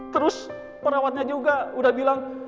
terus perawatnya juga udah bilang